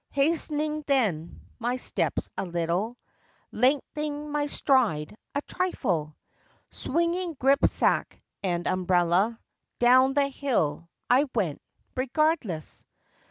Hast'ning then my steps a little— Lengthening my stride a trifle, Swinging grip sack and umbrella— Down the hill I went—regardless!